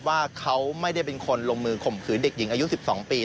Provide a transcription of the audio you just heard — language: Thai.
ว่าเขาไม่ได้เป็นคนลงมือข่มขืนเด็กหญิงอายุ๑๒ปี